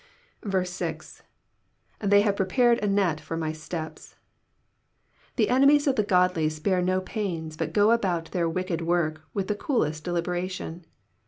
6. ^^They have prepared a net for my steps."*^ The enemies of the godly spare no pains, but go about their wicked work with the coolest deliberation.